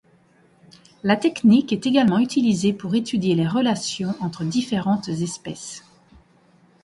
La technique est également utilisée pour étudier les relations entre différentes espèces.